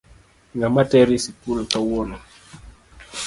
Ng'ama teri sikul kawuono?